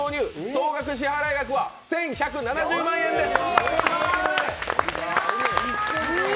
総額支払額は１１７０万円です。